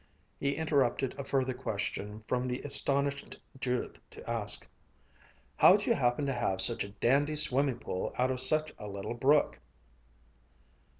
He interrupted a further question from the astonished Judith to ask, "How'd you happen to have such a dandy swimming pool out of such a little brook?"